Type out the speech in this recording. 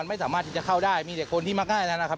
ไม่สามารถที่จะเข้าได้มีแต่คนที่มาง่ายแล้วนะครับ